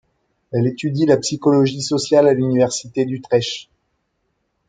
Elle étudie la psychologie sociale à l'Université d'Utrecht.